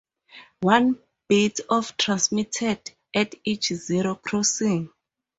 One bit is transmitted at each zero crossing.